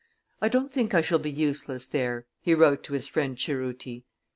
"I don't think I shall be useless there," he wrote to his friend Cerruti.